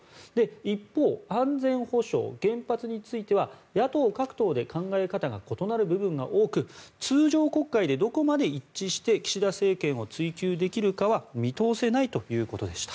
一方安全保障、原発については野党各党で考え方が異なる部分が多く通常国会でどこまで一致して岸田政権を追及できるかは見通せないということでした。